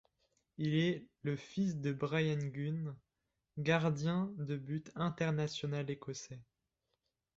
Il est le fils de Bryan Gunn, gardien de but international écossais.